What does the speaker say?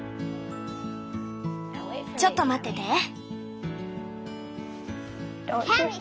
ちょっと待ってて。